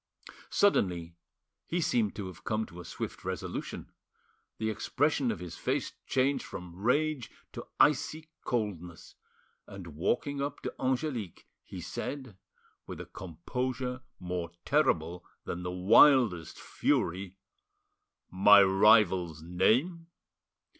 Suddenly he seemed to have come to a swift resolution: the expression of his face changed from rage to icy coldness, and walking up to Angelique, he said, with a composure more terrible than the wildest fury— "My rival's name?"